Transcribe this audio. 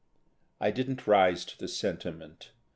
I didn't rise to the sentiment.